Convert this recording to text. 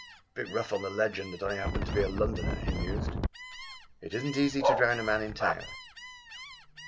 "Bit rough on the legend that I happened to be a Londoner!" he mused. "It isn't easy to drown a man in town!"